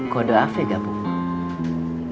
kode apa ya bang ustadz